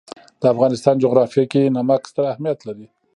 د افغانستان جغرافیه کې نمک ستر اهمیت لري.